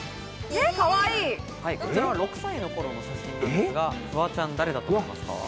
こちらは６歳の頃の写真なんですが、フワちゃん誰だと思いますか？